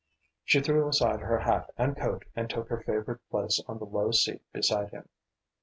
She threw aside her hat and coat and took her favourite place on the low seat beside him.